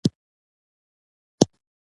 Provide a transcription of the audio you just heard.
تر بل هر چا لایق وو.